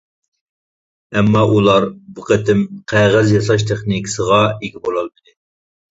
ئەمما ئۇلار بۇ قېتىم قەغەز ياساش تېخنىكىسىغا ئىگە بولالمىدى.